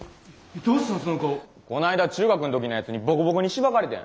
こないだ中学の時のやつにぼこぼこにしばかれてん。